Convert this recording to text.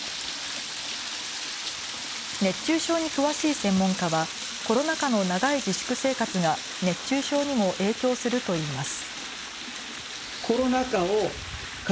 熱中症に詳しい専門家はコロナ禍の長い自粛生活が熱中症にも影響するといいます。